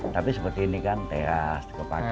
tapi seperti ini kan teras kepake tutup